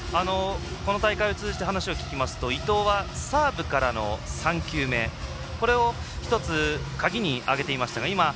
この大会を通じて話を聞きますと伊藤は、サーブからの３球目これを１つ鍵に挙げていましたが。